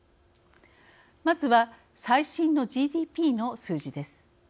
まずは最新のＧＤＰの数字です。